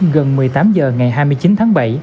gần một mươi tám h ngày hai mươi chín tháng bảy